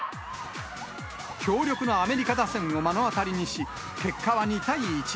強力なアメリカ打線を目の当たりにし、結果は２対１。